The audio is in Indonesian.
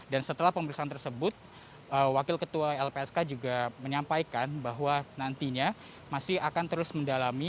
dan setelah pemerintahan tersebut wakil ketua lpsk juga menyampaikan bahwa nantinya masih akan terus mendalami